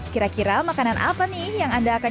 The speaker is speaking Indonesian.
kira kira makanan apa nih yang anda akan